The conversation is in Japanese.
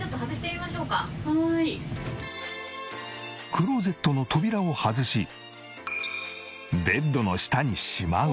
クローゼットの扉を外しベッドの下にしまう。